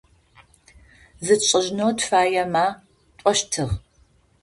Зытшӏэжьынэу тыфаемэ тӏощтыгъ.